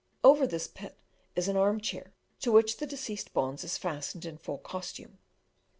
Over this pit is an armchair, to which the deceased bonze is fastened in full costume.